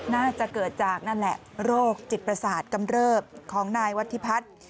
น่าจะเกิดจากนั่นแหละโรคจิตประสาทกำเริบของนายวัฒิพัฒน์